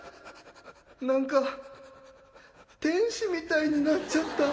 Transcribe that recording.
何か天使みたいになっちゃった